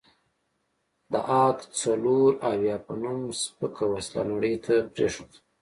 د اک څلوراویا په نوم سپکه وسله نړۍ ته پرېښوده.